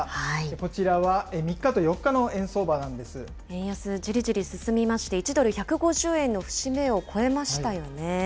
こちらは３日と４日の円相場なん円安、じりじり進みまして、１ドル１５０円の節目を超えましたよね。